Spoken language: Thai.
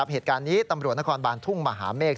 เหตุการณ์นี้ตำรวจนครบานทุ่งมหาเมฆ